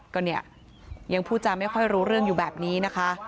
ก็เนี่ยยังพูดจาไม่ค่อยรู้เรื่องอยู่แบบนี้นะคะ